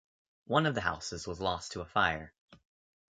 One of the houses was lost to a fire.